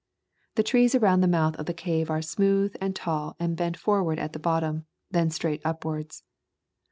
The trees around the mouth of the cave are smooth and tall and bent forward at the bottom, then straight upwards.